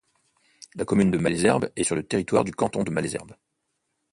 La commune de Malesherbes est sur le territoire du canton de Malesherbes.